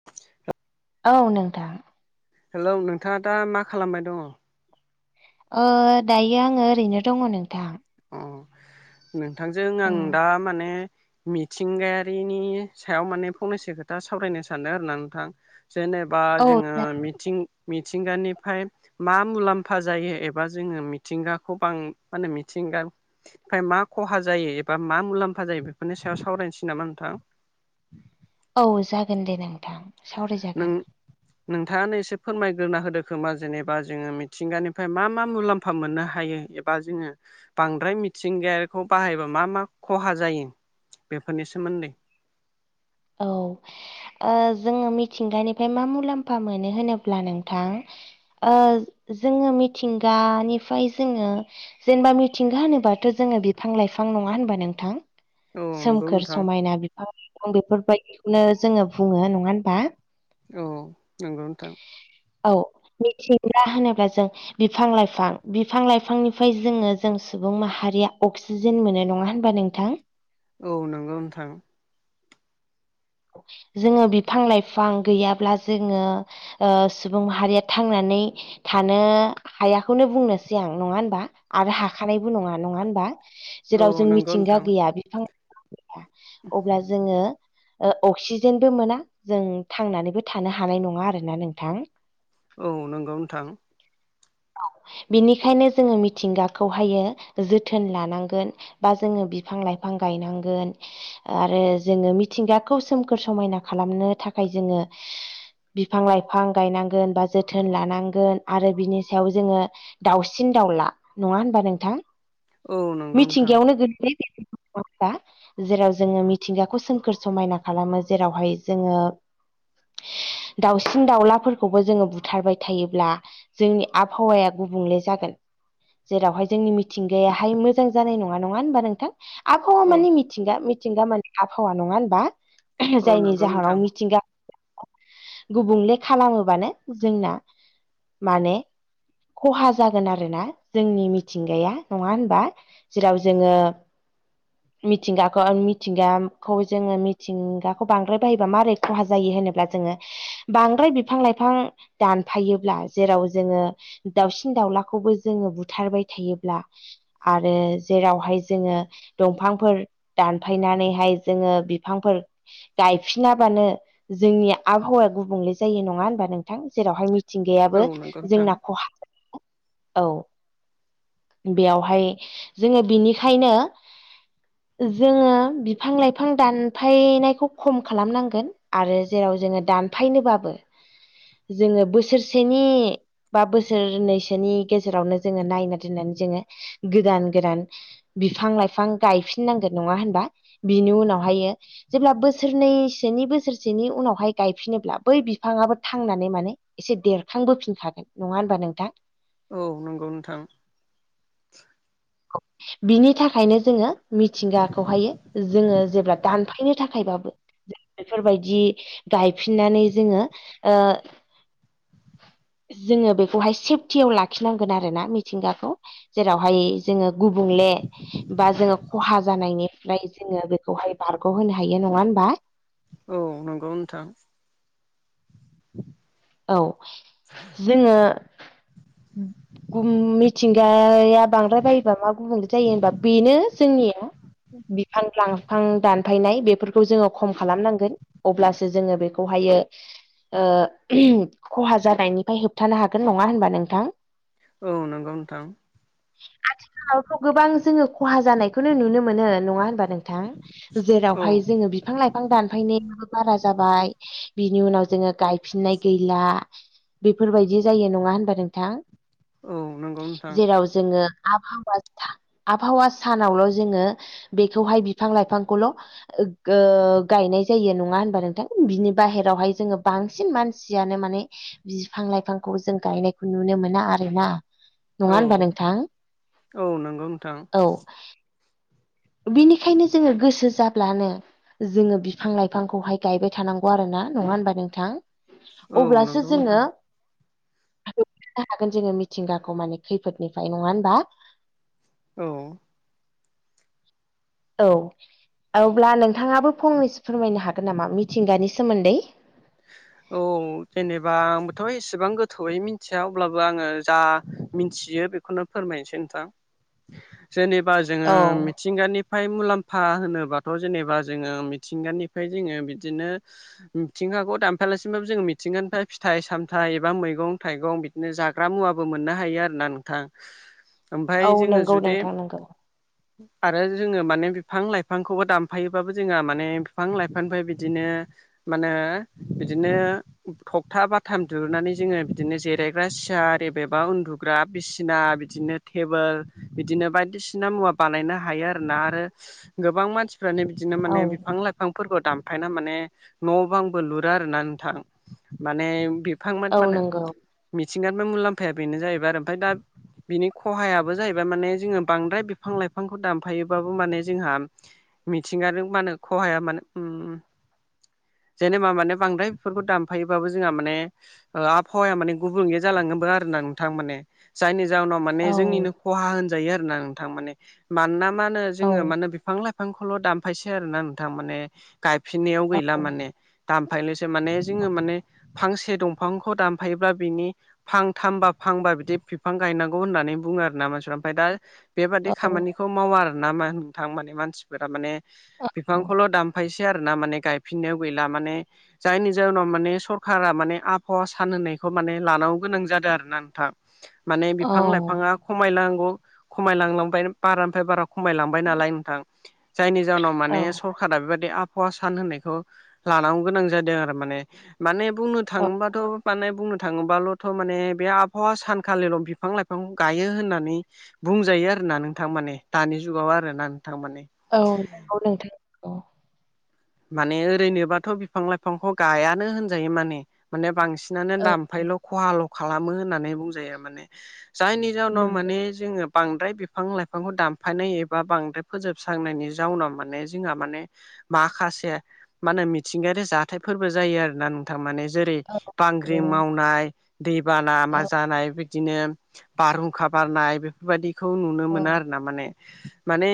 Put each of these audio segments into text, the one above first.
[inaudible] औ नोंथां। हेलौ नोंथाङा दा मा खालामबाय दङ? ओ दायो आङो ओरैनो दङ नोंथां। अ नोंथांजों औ आं दा माने मिथिंगायारिनि सायाव माने फंनैसो खोथा सावरायनो सानदों आरो ना नोंथां। जेनेबा औ जोङो मिथिं मिथिंगानिफ्राय मा मुलाम्फा जायो एबा जोङो मिथिंगाखौ बां माने मि मिथिंगानिफ्राय मा खहा जायो एबा मा मुलाम्फा जायो बेफोरनि सायाव सावरायनोसै नामा नोंथां? औ जागोन दे नोंथां। नों सावरायजागोन नोंथाङानो एसे फोरमायग्रोना होदो खोमा जेनेबा जोङो मिथिंगानिफ्राय मा मा मुलाम्फा मोननो हायो। बा जोङो बांद्राय मिथिंगायारिखौ बाहायबा मा मा खहा जायो। बेफोरनि सोमोन्दै औ ओ जोङो मिथिंगानिफ्राय मा मुलाम्फा मोनो होनोब्ला नोंथां ओ जोङो मिथिंगानिफ्राय जोङो जेनेबा मिथिंगा होनोबाथ' जोङो बिफां लाइफां नङा होनबा नोंथां औ नंगौ सोमखोर नोंथां समायना बिफां लाइफां बेफोरबायदि नो जोङो बुङो नङा होमबा औ नंगौ नोंथां औ मिथिंगा होनोब्ला जों बिफां लाइफां बिफां लाइफांनिफ्राय जोङो जों सुबुं माहारिया अक्सि अक्सिजेन मोनो नङा होनबा नोंथां। औ नंगौ नोंथां। जोङो बिफां लाइफां गैयाब्ला जोङो ओ सुबुं माहारिया थांनानै थानो हायाखौनो बुंनोसै आं नङा होमबा। आरो हाखानायबो नङा नङा होमबा। औ जेराव जों नंगौ मिथिंगा नोंथां गैया बिफां लाइफां गैया अब्ला जोङो अक्सिजेनबो मोना जों थांनानैबो थानो हानाय नङा आरोना नोंथां। औ नंगौ नोंथां औ बिनिखायनो जोङो मिथिंगाखौहायो जोथोन लानांगोन। बा जोङो बिफां लाइफां गायनांगोन आरो जोङो मिथिंगा खौ सोमखोर समायना खालामनो थाखाय जोङो बिफां लाइफां गायनांगोन बा जोथोन लानांगोन आरो बिनि सायाव जोङो दाउसिन दाउला नङा होनबा नोंथां औ नंगौ नोंथां मिथिंगायावनो गो [unintelligible] जेराव जोङो मिथिंगाखौ सोमखोर समायना खालामो जेरावहाय जोङो दाउसिन दाउलाफोरखौबो जोङो बुथारबाय थायोब्ला जोंनि आबहावाया गुबुंले जागोन जेरावहाय जोंनि मिथिंगायाहाय मोजां जानाय नङा नङा होमबा नोंथां आबहावा औ मानि मिथिंगा मिथिंगा मानि आबहावा नङा होनबा जायनि नंगौ जाहोनाव नोंथां मिथिंगा गुबुंले खालामोबानो जोंना माने खहा जागोन आरोना जोंनि मिथिंगाया नङा होमबा जेराव जोङो मिथिंगाखौ मिथिंगाखौ जोङो मिथिंगाखौ बांद्राय बाहायोबा माबोरै खहा जायो होनोब्ला जोङो बांद्राय बिफां लाइफां दानफायोब्ला जेराव जोङो दाउसिन दाउलाखौबो जोङो बुथारबाय थायोब्ला आरो जेरावहाय जोङो दंफांफोर दानफायनानैहाय जोङो बिफांफोर गायफिनाबानो जोंनि आबहावाया गुबुंले जायो नङा होनबा नोंथां जेरावहाय मिथि औ नंगौ नोंथां औ थिंगायाबो नंगौ नोंथां जोंना खहा औ। बेयावहाय जोङो बिनिखायनो जोङो बिफां लाइफां दान दानफायनायखौ खम खालामनांगोन आरो जेराव जोङो दानफायनोबाबो जोङो बोसोरसेनि बा बोसोरनैसोनि गेजेरावनो जोङो नायना दोननानै जोङो गोदान गोदान बिफां लाइफां गायफिननांगोन नङा होनबा बिनि उनावहायो जेब्ला बोसोरनैसोनि बोसोरसेनि उनावहाय गायफिनोब्ला बै बिफाङआो थांनानै माने एसे देरखांबोफिनखागोन नङा होनबा नोंथां। औ नंगौ नोंथां। बिनि थाखायनो जोङो मिथिंगाखौहायो जोङो जेब्ला दानफायनो थाखायबाबो बेफोरबायदि गायफिननानै जोङो ओ जोङो बेखौहाय सेफटियाव लाखिनांगोन आरोना मिथिंगाखौ जेरावहाय जोङो गुबुंले बा जोङो खहा जानायनिफ्राय जोङो बेखौहाय बारग' होनोनो हायो नङा होनबा। औ नंगौ नोंथां। [inaudible] औ जोङो [inaudible] मिथिंगाया बांद्राय बायोबा मा गुबुंले जायो होनबा बेनो जोंनिया बिफां लांफां दानफायनाय बेफोरखौ जोङो खम खालामनांगोन। अब्लासो जोङो बेखौहायो ओ खहा जानायनिफ्राय होबथानो हागोन नङा होनबा नोंथां। औ नंगौ नोंथां। आथिखालावथ' गोबां जोङो खहा जानायखौनो नुनो मोनो नङा होनबा नोंथां। जेरावहाय नोंथां जोङो बिफां लाइफां बिफां दानफायनायाबो बारा जाबाय बिनि उनाव जोङो गाय फिननाय गैला बेफोरबायदि जायो नङा होनबा नोंथां। औ नंगौ नोंथां। जेराव जोङो आबहावा आबहावा सानावल' जोङो बेखौहाय बिफां लाइफांखौल' ओ गायनाय जायो नङा होनबा नोंथां बिनि बाहेरावहाय जोङो बांसिन बांसिन मानसियानो माने बिफां लाइफांखौ जों गायनायखौ नुनो मोना आरोना। नङा औ होनोमबा नोंथां औ नंगौ नोंथां औ नंगौ नोंथां औ बिनिखायनो जोङो गोसो जाब्लानो जोङो बिफां लाइफांखौहाय गायबाय थानांगौ आरो ना नङा होनबा नोंथां। औ अब्लासो नंगौ नोंथां जोङो [unintelligible] हागोन जोङो मिथिंगाखौ माने खैफोदनिफ्राय नङा होनबा। औ औ अब्ला नोंथाङाबो फंनैसो फोरमायनो हागोन नामा मिथिंगानि सोमोन्दै औ जेनेबा आंबोथ' एसेबां गोथौयै मिथिया अब्लाबो आङो जा मिथियो बेखौनो फोरमायनोसै नोंथां जेनेबा जोङो औ मिथिंगानिफ्राय मुलाम्फा होनोबाथ' जेनेबा जोङो मिथिंगानिफ्राय जोङो बिदिनो [inaudible] मिथिंगाखौ दानफायालासिमबबो जोङो मिथिंगोन ओमफ्राय फिथाइ सामथाइ एबा मैगं थाइगं बिदिनो जागोन। मुवाबो मोननो हायो आरोना नोंथां ओमफ्राय औ जोङो नंगौ जुदि नोंथां नंगौ आरो जोङो माने बिफां लाइफांखौबो दानफायोबाबो जोंहा माने बिफां लाइफांनिफ्राय बिदिनो माने बिदिनो थखथा बाथाम दिहुनानै जोङो बिदिनो जिरायग्रा सियार एबबा उन्दुग्रा बिसिना बिदिनो टेबोल बिदिनो बायदिसिना मुवा बानायनो हायो आरो ना आरो गोबां मानसि रानो बिदिनो औ माने बिफां लाइफांफोरखौ दानफायना माने न' बां बोलुरा आरोना नोंथां माने बिफांमोन औ मानो नंगौ मिथिंगानि मुलाम्फाया बेनो जाहैबाय आरो ओमफ्राय दा बिनि खहायाबो जाहैबाय माने जोंङो बांद्राय बिफां लाइफांखौ दामफायोबाबो माने जोंहा मिथिंगाजों मानो खहाया मानो उम जेनेबा माने बांद्राय बेफोरखौ दामफायोबाबो जोंहा माने। ओ आहावाया माने गुबुंले जालांगोनबो आरो ना नोंथां माने। जायनि जाहोनाव माने औ जोंनिनो खहा होनजायो आरो ना नोंथां माने मानोना मा होनो औ जोंङो मानो बिफां लाइफांखौल' दानफायसै आरोना नोंथां माने गायफिननायाव औ गैला माने। दामफायनोसो माने जोंङो माने फांसे दंफांखौ दामफायबा बिनि फां थामबा फांबा बिदि बिफां गायनांगौ होननानै बुंङो आरो ना मानसिफ्रा ओमफ्राय दा बेबादि औ औ खामानिखौ मावो आरोना मा नोंथां माने मानसिफोरा माने बिफांखौल' दामफायसै आरो ना माने गायफिननायाव गैला माने जायनि जाहनाव माने सरखारा माने आबहावा सान होनायखौ माने लानांगौ गोनां जादों आरोना नोंथां। माने बिफां औ लाइफाङा खमायनांगौ खमायलांलांबाय बारानिफाय बारा खमायलांबाय नालाय नोंथां। जायनि जावनाव माने औ सरखारा बेबादि आबहावा सान होननायखौ लानांगौ गोनां जादों आरो माने। माने बुंनो औ थाङोबाथ' माने बुंनो थाङोबाल'थ' माने बे आबहावा सानखालिल' बिफां-लाइ फां गायो होननानै बुंजायो आरो ना नोंथां माने दानि जुगाव आरो ना नोंथां माने। औ औ नोंथां। औ माने ओरैनोबाथ' बिफां लाइफांखौ गायानो होनजायो माने माने बांसि बांसिनानो औ दामफायल' खहाल' खालामो होननानै बुंजायो माने जायनि जााहनाव नंगौ माने जोंङो बांद्राय बिफां लाइफांखौ दामफायनाय एबा बांद्राय फोजोबस्रांनायनि जाउनाव माने जोंहा माने माखासे मा होनो मिथिंगायारि जाथायफोरबो जायो आरो ना नोंथां माने जेरै औ बांग्रि नंगौ मावनाय दैबाना मा औ जानाय बिदिनो बारहुंखा बारनाय बे बेफोरबायदिखौ नुनो औ मोना आरोना माने माने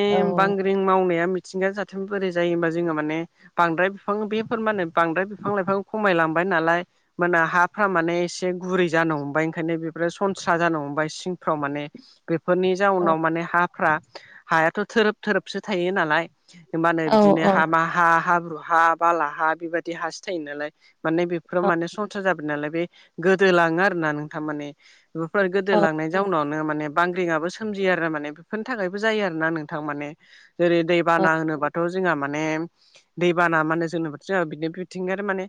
औ बांग्रिं मावनाया मिथिंगा जाथों बोरै जायो होमबा जोंहा माने ने बांद्राय बिफां बेफोर माने बांद्राय बिफां लाइफां खमायलांबाय नालाय। मोना हाफ्रा माने एसे गुरै जानो हमबाय ओंखायनो बेफोरो सनस्रा जानो हमबाय सिंफ्राव माने। बेफोरनि औ जाउनाव माने हाफ्रा हायाथ' थोरोब थोरोबसो थायो नालाय। हो मानो औ बिदिनो औ हामा हा हाब्रु हा बाला हा बेबादि हासो थायो नालाय। माने बेफोराव औ माने सनस्रा जाबाय नालाय बे गोदोलांङो आरोना नोंथां माने। बेफोर गोदो औ लांनाय जाउनाव माने बांग्रिङाबो सोमजियो आरो माने बेफोरनि थाखायबो जायो आरो ना नोंथां माने। जेरै दैबाना होनोबाथ' जोंहा माने दैबाना माने जोंनि जों बिदिनो बिथिं आरो माने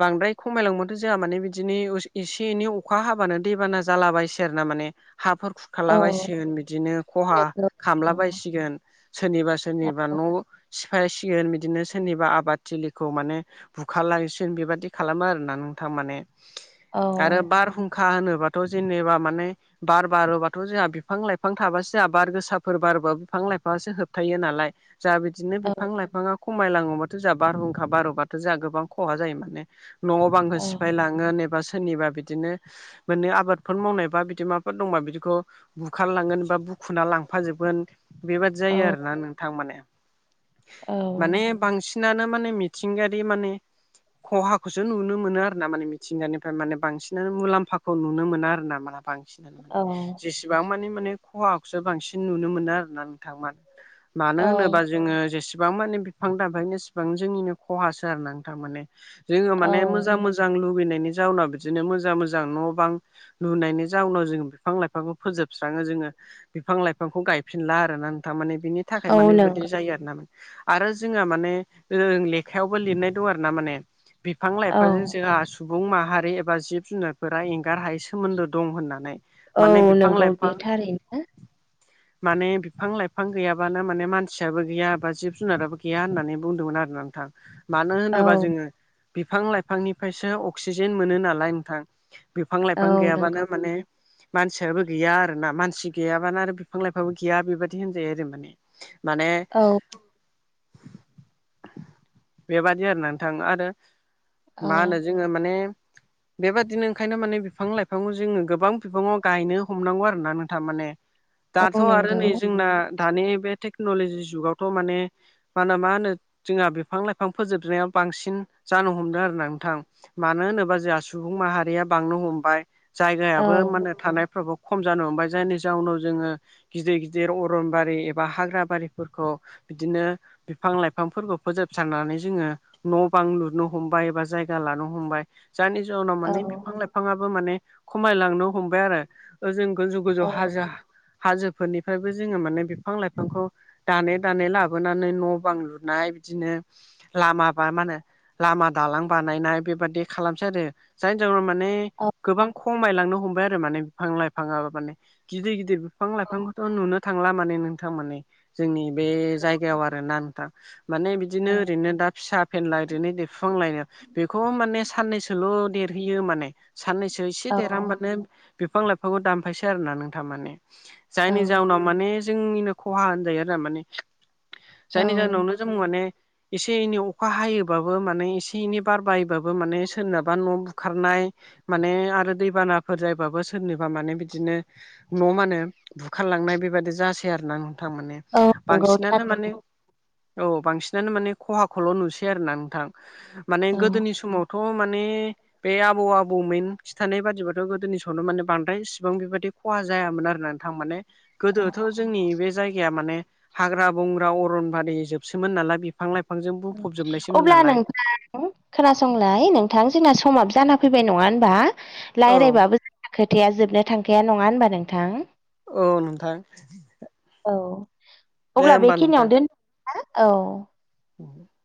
बांद्राय खमायलांबाथ' जोंहा माने बिदिनि उस एसे एनै अखा हाबानो दैबाना जालाबायसै आरो ना माने। हाफोर खुरखाला औ बायसिगोन बिदिनो खहा नंगौ खामला औ बायसिगोन सोरनिबा सोरनिबा न' सिफायसि [unintelligible] बिदिनो सोरनिबा आबाद थिलिखौ माने बुखारलाांसिन बेबायादि खालामो आरोना नोंथां माने औ आरो बारहुंखा खा होनोबाथ' जेनेबा माने बार बारोबाथ' जोंहा बिफां लाइफां थाबासो जोंहा बार गोसाफोर बारोबा बिफां लाइफांङासो होबथायो नालाय। जा बिदिनो औ बिफां लाइ बिफांङा खमायलाङोबाथ' जोंहा बारहुंखा बारबाथ' जोंहा गोबां खहा जायो माने न बांखौ औ सिफायलां ना नेबा सोरनिबा बिदिनो मोने आबादफोर मावनायबा बिदि माफोर दंबा बिदिखौ बुखारलांगोन बा बुखुना लांफाजोबगोन बेबायदि औ जायो आरो ना नोंथां माने। माने औ बांसिनानो माने मिथिंगायारि माने। खहाखौसो नुनो मोनो आरोना माने मिथिंगानिफ्राय माने बांसिनानो मुलाम्फाखौ नुनो मोना आरोना मोना बांसिन। जेसिबां मानो माने खहाखौसो बांसिन नुनो मोनो आरोना नोंथां मान मानो औ होनोबा जोंङो जेसेबां माने बिफां दानफायगोन एसेबां जोंनिनो खहासो आरोना नोंथां माने। जोङो औ माने मोजां मोजां लुुबैनायनि जाउनाव बिदिनो मोजां मोजां न' बां लुनायनि जाउनाव जोङो बिफां लाइफांखौ फोजोबस्राङो जोङो। बिफां लाइफांखौ गायफिनला आरो ना नोंथां माने बिनि औ थाखाय माने नंगौ बेबायदि जायो आरो ना माने। आरो जोंहा माने ओं लेखायावबो लिरनाय दं आरो ना माने बिफां औ लाइफां जोंहास सुबुं माहारि एबा जिब जुनारफोरा एंगार हायै सोमोन्दो दं होननानै। माने औ नंगौ बे बिफां-लाइफां थारैनो माने बिफां लाइफां गैयाबानो माने मानसियाबो गैया बा जिब जुनाराबो गैया होननानै बुंदोंमोन आरो नोंथां मानो औ होनोबा जोंङो बिफां लाइफांनिफ्रायसो अक्सिजेन मोनो नालाय नोंथां बिफां औ लाइफां गैयाबानो नंगौ माने मानसियाबो गैया आरो ना मानसि गैयाबाना आरो बिफां लाइफांबो गैया बेबायदि होनजायो आरो माने। माने औ बेबादि आरोना नोंथां आरो औ मा होनो जोंङो माने। बेबादिनो ओंखायनो माने बिफां लाइफांखौ जोङो गोबां बिबाङाव गायनो हमनांगौ आरो ना नोंथा माने। दाथ' औ आरो नंगौ नै जोंना दानि बे टेक्न'लजि जुगावथ' माने। माना मा होनो जोंहा बिफां लाइफां फोजोबनायाव बांसिन जानो हमदों आरो ना नोंथां। मानो होनोबा जोंहा सुबुं माहारिया बांनो हमबाय औ जायगायाबो माने थानायफ्राबो खम जानो हमबाय जायनि जाउनाव जोङो गिदिर गिदिर अरनबारि एबा हाग्रा बारिफोरखौ बिदिनो बिफां लाइफांफोरखौ फोजोबस्रांनानै जोङो न' बां लुनो हमबाय बा जायगा लानो हमबाय। जायनि जाहोनाव औ माने बिफां लाइफांङाबो माने खमायलांनो हमबाय आरो। ओजों गोजौ गोजौ औ हाजो हा हाजोफोरनिफायबो जोंङो माने बिफां लाइफांखौ दानै दानै लाब बोनानै न' बां लुनाय बिदिनो लामाबा मा होनो लामा दालां बानायनाय बेबादि खालामसै आरो जायनि जाउनाव मान ने गोबां खमायलांनो हमबाय आरो माने बिफां लाइफाङाबो माने गिदिर गिदिर बिफां लाइफांखौथ' नुनो थांला माने नोंथां माने जोंनि बे जायगायाव आरो ना नोंथां। माने औ बिदिनो ओरैनो दा फिसा फेनला इदिनो देरफुहांलायनो बेखौ माने साननैसोल' देरहोयो माने। साननैसो एसे देरहांबानो बिफां लाइफांखौ दानफायसै आरोना नोंथां माने। जायनि जाउनाव माने जोंनिनो खहा होनजायो आरो माने। औ जायनि जाहोनावनो जों माने एसे इनै अखा हायोबाबो माने एसे इनै बार बायबाबो माने सोरनाबा न' बुखारनाय माने आरो दैबानाफोर जायोबाबो सोरनिबा माने बिदिनो न' मानो बुखारलांनाय बेबायादि जासै आरोना नोंथां माने। औ नंगौ बांसिनानो माने थारैनो औ बांसिनानो माने खहाखौल' नुसै आरो ना नोंथां माने औ गोदोनि समाव थ' माने। बे आबौ आबौमैन खिथानाय बादिबाथ' गोदोनि सनाव माने बांद्राय इसिबां बेबायदि खहा जायामोन आरो नोंथां माने। औ गोदोथ' जोंनि बे जायगाया माने हाग्रा बंग्रा अरनबारि जोबसोमोन नालाय बिफ फां लाइफांजों बुंफबजोबनायसोमोन अब्ला नालाय। नोंथां खोनासंलाय नोंथां जोंना समाबो जाना फैबाय नंङा होनबा औ रायलायबाबो खोथाया जोबनो थांखाया नङा होनबा नोंथां? औ नोंथां। औ दे अब्ला होमबा नोंथां बेखिनियाव दोन हो औ। [inaudible]